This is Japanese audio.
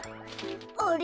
あれ？